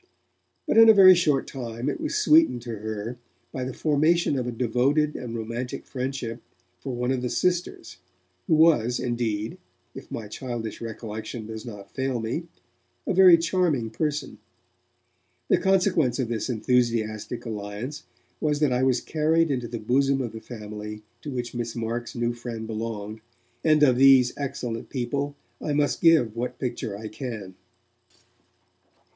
But in a very short time it was sweetened to her by the formation of a devoted and romantic friendship for one of the 'sisters', who was, indeed, if my childish recollection does not fail me, a very charming person. The consequence of this enthusiastic alliance was that I was carried into the bosom of the family to which Miss Marks' new friend belonged, and of these excellent people I must give what picture I can.